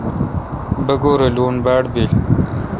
بگور اے لون باڑ بیل۔